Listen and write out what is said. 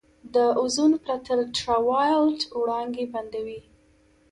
د اوزون پرت الټراوایلټ وړانګې بندوي.